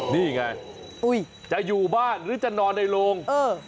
นี่ไงจะอยู่บ้านหรือจะนอนในโรง